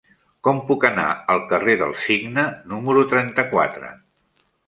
Com puc anar al carrer del Cigne número trenta-quatre?